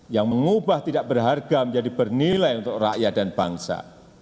yang mengubah tidak berharga menjadi bernilai untuk rakyat dan bangsa